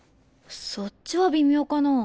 そっちは微妙かな。